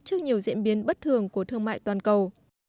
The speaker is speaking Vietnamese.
trước nhiều diễn biến bất thường của thương mại toàn cầu